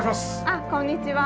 あっこんにちは。